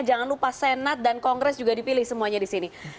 jangan lupa senat dan kongres juga dipilih semuanya di sini